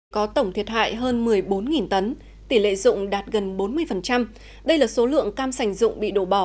có tổng thiệt hại hơn một mươi bốn tấn tỷ lệ dụng đạt gần bốn mươi đây là số lượng cam sành dụng bị đổ bỏ